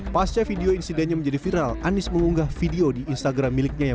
pasca video insidennya menjadi viral anies mengunggah video di instagram miliknya yang